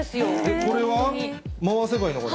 これは、回せばいいのかな？